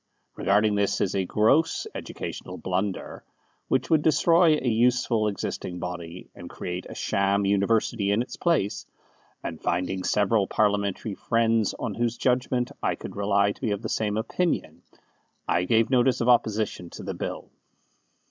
Regarding this as a gross educational blunder, which would destroy a useful existing body, and create a sham university in its place, and finding several Parliamentary friends on whose judgment I could rely to be of the same opinion, I gave notice of opposition to the Bill.